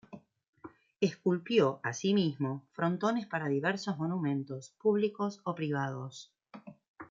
Esculpió así mismo frontones para diversos monumentos públicos o privados.